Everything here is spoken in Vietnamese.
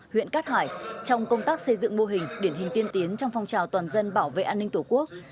huyện cát hải trong công tác xây dựng mô hình điển hình tiên tiến trong phong trào toàn dân bảo vệ an ninh tổ quốc